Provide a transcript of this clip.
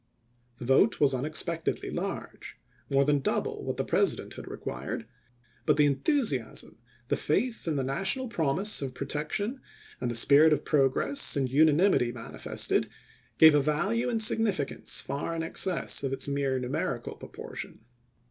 The vote was unexpectedly large, more than double what the President had required; but the enthusiasm, the faith in the national promise of protection, and the spirit of progress and unanimity manifested gave a value and significance far in excess of its mere numerical proportion.